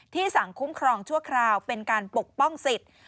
สั่งคุ้มครองชั่วคราวเป็นการปกป้องสิทธิ์